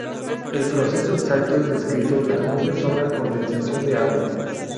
El proceso exacto es descrito: Las nubes son la condensación de agua.